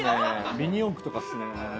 ミニ四駆とかすね。